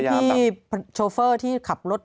ที่โชเฟอร์ที่ขับรถ